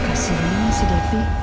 kasihnya si dapik